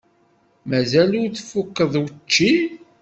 Mazal ur tfukkeḍ učči?